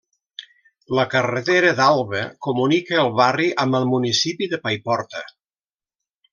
La carretera d'Alba comunica el barri amb el municipi de Paiporta.